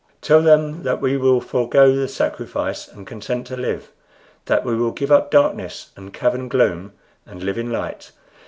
Tell them that we will forego the sacrifice and consent to live; that we will give up darkness and cavern gloom and live in light.